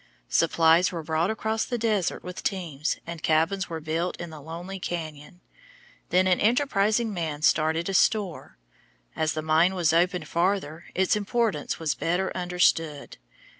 Supplies were brought across the desert with teams, and cabins were built in the lonely cañon. Then an enterprising man started a store. As the mine was opened farther, its importance was better understood.